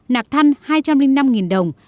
nạc thăn hai trăm linh năm đồng